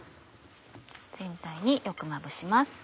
全体によくまぶします。